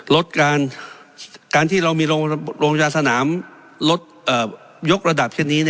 การที่เรามีโรงพยาบาลสนามยกระดับเช่นนี้